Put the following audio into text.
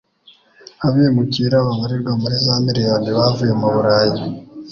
abimukira babarirwa muri za miriyoni bavuye mu Burayi